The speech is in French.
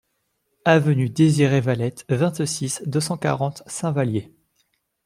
Avenue Désiré Valette, vingt-six, deux cent quarante Saint-Vallier